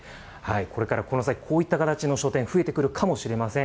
これからこの先、こういった形の書店、増えてくるかもしれません。